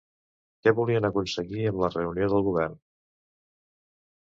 Què volien aconseguir amb la reunió del govern?